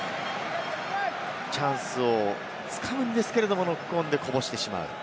チャンスをつかむんですけれど、ノックオンでこぼしてしまう。